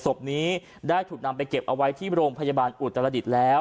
ศพนี้ได้ถูกนำไปเก็บเอาไว้ที่โรงพยาบาลอุตรดิษฐ์แล้ว